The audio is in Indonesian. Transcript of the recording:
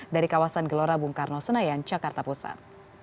dari kawasan gelora bung karno senayan jakarta pusat